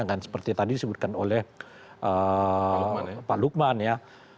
dan seperti tadi disebutkan oleh pak lukman ya